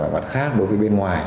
mặt khác đối với bên ngoài